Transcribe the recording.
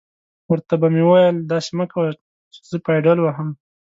ور ته به مې ویل: داسې مه کوه چې زه پایډل وهم.